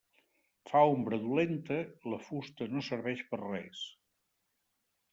Fa ombra dolenta, la fusta no serveix per a res.